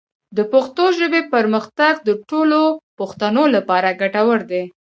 د پښتو ژبې پرمختګ د ټولو پښتنو لپاره ګټور دی.